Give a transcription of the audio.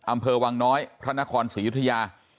อำเภอวังน้อยพระนครศรียุธยา